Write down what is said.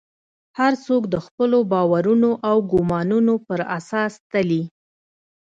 هر څوک د خپلو باورونو او ګومانونو پر اساس تلي.